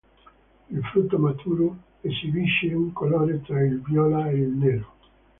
Il frutto maturo esibisce un colore tra il viola e il nero.